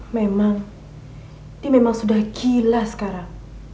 memang ini memang sudah gila sekarang